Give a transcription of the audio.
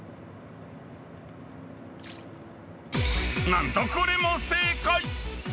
なんとこれも正解！